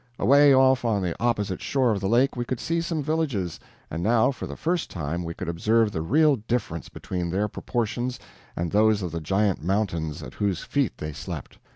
Away off on the opposite shore of the lake we could see some villages, and now for the first time we could observe the real difference between their proportions and those of the giant mountains at whose feet they slept.